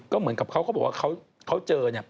ก็เหมือนกับเขาก็บอกว่าเขาเจอเนี่ย